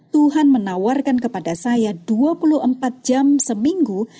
tuhan menawarkan kepada saya dua puluh empat jam seminggu